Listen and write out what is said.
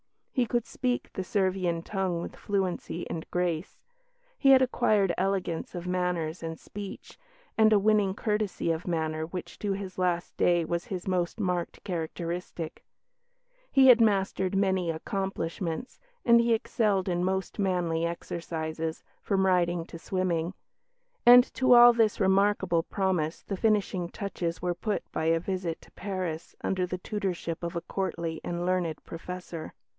He could speak the Servian tongue with fluency and grace; he had acquired elegance of manners and speech, and a winning courtesy of manner which to his last day was his most marked characteristic; he had mastered many accomplishments, and he excelled in most manly exercises, from riding to swimming. And to all this remarkable promise the finishing touches were put by a visit to Paris under the tutorship of a courtly and learned professor.